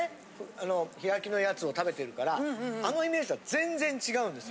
あの開きのやつを食べてるからあのイメージは全然違うんです。